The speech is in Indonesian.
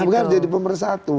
agama harus menjadi pemersatu